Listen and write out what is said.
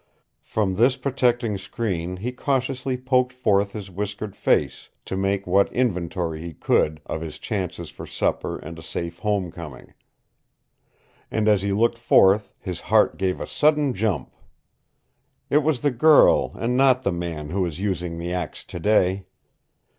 From this protecting screen he cautiously poked forth his whiskered face, to make what inventory he could of his chances for supper and a safe home coming. And as he looked forth his heart gave a sudden jump. It was the girl, and not the man who was using the axe today.